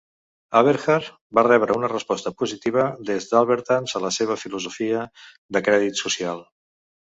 Aberhart va rebre una resposta positiva des d'Albertans a la seva filosofia de crèdit social.